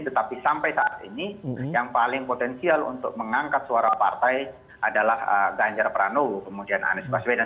tetapi sampai saat ini yang paling potensial untuk mengangkat suara partai adalah ganjar pranowo kemudian anies baswedan